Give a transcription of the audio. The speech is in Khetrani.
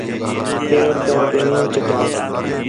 چور کر ڳئین چٹا